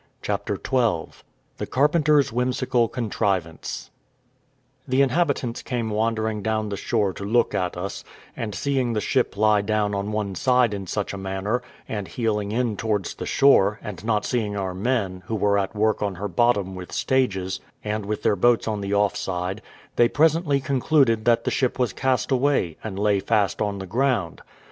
CHAPTER XII THE CARPENTER'S WHIMSICAL CONTRIVANCE The inhabitants came wondering down the shore to look at us; and seeing the ship lie down on one side in such a manner, and heeling in towards the shore, and not seeing our men, who were at work on her bottom with stages, and with their boats on the off side, they presently concluded that the ship was cast away, and lay fast on the ground.